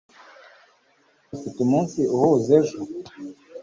Ufite umunsi uhuze ejo